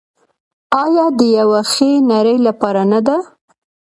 آیا د یوې ښې نړۍ لپاره نه ده؟